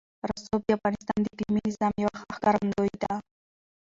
رسوب د افغانستان د اقلیمي نظام یوه ښه ښکارندوی ده.